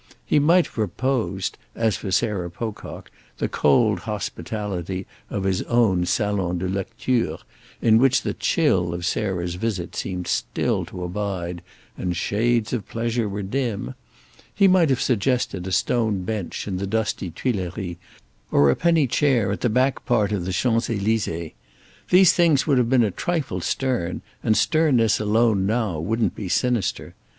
He might have proposed, as for Sarah Pocock, the cold hospitality of his own salon de lecture, in which the chill of Sarah's visit seemed still to abide and shades of pleasure were dim; he might have suggested a stone bench in the dusty Tuileries or a penny chair at the back part of the Champs Elysées. These things would have been a trifle stern, and sternness alone now wouldn't be sinister.